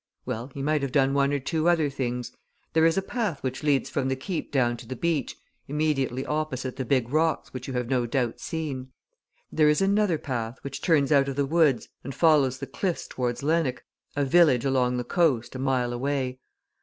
Well, he might have done one of two other things. There is a path which leads from the Keep down to the beach, immediately opposite the big rocks which you have no doubt seen. There is another path which turns out of the woods and follows the cliffs towards Lenwick, a village along the coast, a mile away.